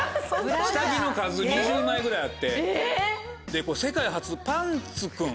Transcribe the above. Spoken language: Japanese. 下着の数２０枚ぐらいあって世界初「パンツくん」